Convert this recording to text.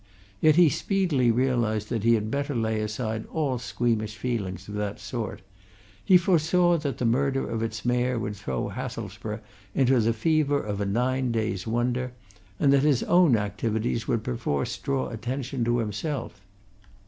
Yet he speedily realized that he had better lay aside all squeamish feelings of that sort; he foresaw that the murder of its Mayor would throw Hathelsborough into the fever of a nine days' wonder, and that his own activities would perforce draw attention to himself.